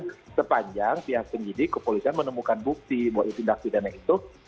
jadi sepanjang pihak penjidik kepolisian menemukan bukti bahwa tindak pidana itu